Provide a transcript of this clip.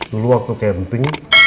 dulu waktu camping nih